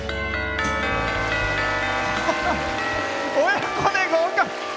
親子で合格！